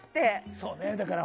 そうね。